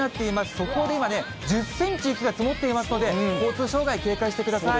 速報で今、１０センチ雪が積もっていますので、交通障害、警戒してください。